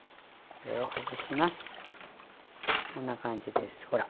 こんな感じですほら。